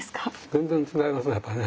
全然違いますねやっぱりね。